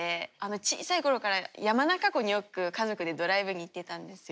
小さいころから山中湖によく家族でドライブに行ってたんですよ。